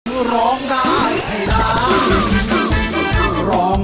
คือร้องได้ให้ร้าน